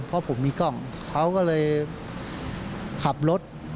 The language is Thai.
เพราะผมมีกล้องเขาก็เลยขับรถ